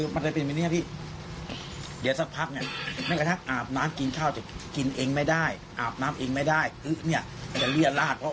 มันจะเป็นแบบนี้ครับพี่เดี๋ยวสักพัก